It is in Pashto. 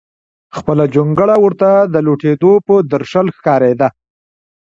خپله جونګړه ورته د لوټېدو په درشل ښکارېده.